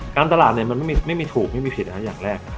การตลาดเนี่ยมันไม่มีถูกไม่มีผิดนะฮะอย่างแรก